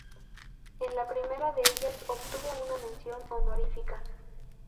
En la primera de ellas obtuvo una mención honorífica.